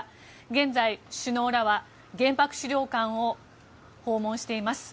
現在、首脳らは原爆資料館を訪問しています。